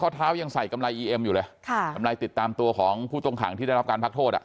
เท้ายังใส่กำไรอีเอ็มอยู่เลยค่ะกำไรติดตามตัวของผู้ต้องขังที่ได้รับการพักโทษอ่ะ